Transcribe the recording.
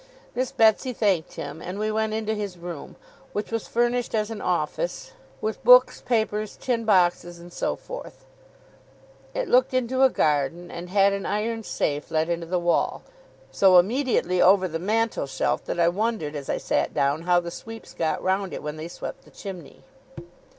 Miss Betsey thanked him, and we went into his room, which was furnished as an office, with books, papers, tin boxes, and so forth. It looked into a garden, and had an iron safe let into the wall; so immediately over the mantelshelf, that I wondered, as I sat down, how the sweeps got round it when they swept the chimney.